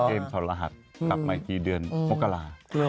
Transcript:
เกมส์ทรหัสกลับใหม่ทีเดือนโมกรา